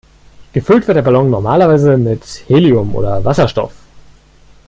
Gefüllt wird der Ballon normalerweise mit Helium oder Wasserstoff.